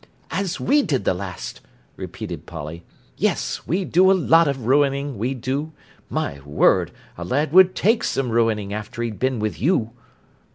"As we did the last!" repeated Polly. "Yes, we do a lot of ruining, we do. My word, a lad would take some ruining after he'd been with you."